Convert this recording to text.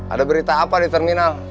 ada berita apa di terminal